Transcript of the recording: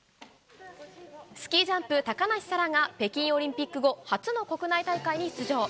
スキージャンプ、高梨沙羅が北京オリンピック後、初の国内大会に出場。